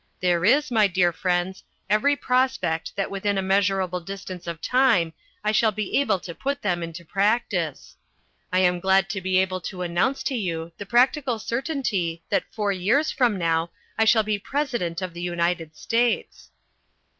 There is, my dear friends, every prospect that within a measurable distance of time I shall be able to put them into practice. I am glad to be able to announce to you the practical certainty that four years from now I shall be President of the United States."